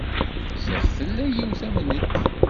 Ziɣ tella yiwet am nekk.